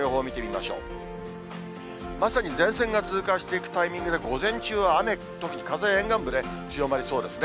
まさに前線が通過していくタイミングで、午前中は雨、時に風、沿岸部で強まりそうですね。